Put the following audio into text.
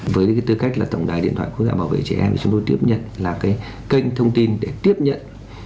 với tư cách là tổng đài điện thoại quốc gia bảo vệ trẻ em thì chúng tôi tiếp nhận là cái kênh thông tin để tiếp nhận